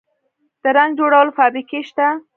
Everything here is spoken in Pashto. د رنګ جوړولو فابریکې شته